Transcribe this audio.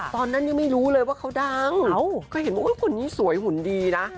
ตอนนั้นยังไม่รู้เลยว่าเขาดังก็เห็นว่าคนนี้สวยหุ่นดีนะ